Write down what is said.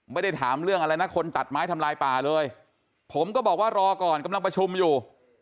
ไม่ได้ถามเรื่องอะไรนะคนตัดไม้ทำลายป่าเลยผมก็บอกว่ารอก่อนกำลังประชุมอยู่